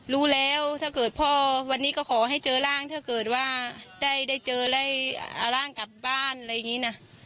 รู้แล้วถ้าเกิดพ่อวันนี้ก็ขอให้เจอร่างถ้าเกิดว่าได้เจอได้เอาร่างกลับบ้านอะไรอย่างนี้นะ